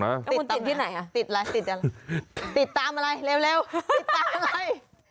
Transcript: ติดตามที่ไหนติดอะไรติดตามอะไรเร็วเร็วติดตามอะไร